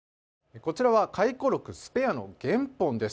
こちらは回顧録「スペア」の原本です。